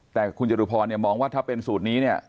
แต่คุณจตุพรเนี่ยมองว่าถ้าเป็นสูตรนี้เนี่ย